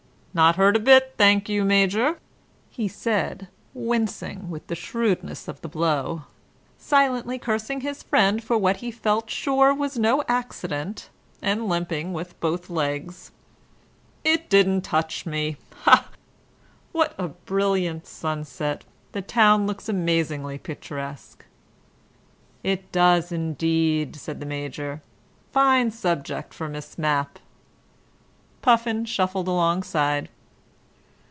... "Not hurt a bit, thank you, Major," he said, wincing with the shrewdness of the blow, silently cursing his friend for what he felt sure was no accident, and limping with both legs. "It didn't touch me. Ha! What a brilliant sunset. The town looks amazingly picturesque." "It does indeed," said the Major. "Fine subject for Miss Mapp." Puffin shuffled alongside.